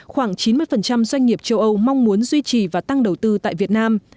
khoảng chín mươi doanh nghiệp châu âu mong muốn duy trì và tăng đầu tư tại việt nam